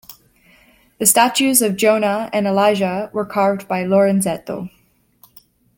The statues of "Jonah" and "Elijah" were carved by Lorenzetto.